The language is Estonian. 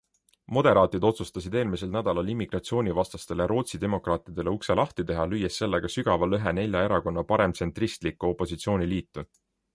Moderaatid otsustasid eelmisel nädalal immigratsioonivastastele Rootsi Demokraatidele ukse lahti teha, lüües sellega sügava lõhe nelja erakonna paremtsentristlikku opositsiooniliitu.